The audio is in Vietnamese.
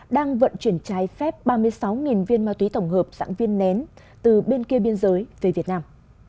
đang vận chuyển trái phép ba mươi sáu viên ma túy tổng hợp dạng viên nén từ bên kia biên giới về việt nam